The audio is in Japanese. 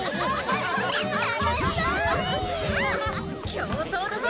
競走だぞ！